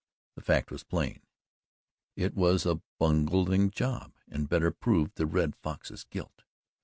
The fact was plain; it was a bungling job and better proved the Red Fox's guilt.